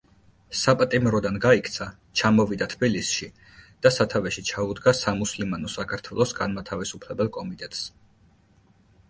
საპატიმროდან გაიქცა, ჩამოვიდა თბილისში და სათავეში ჩაუდგა „სამუსლიმანო საქართველოს განმათავისუფლებელ კომიტეტს“.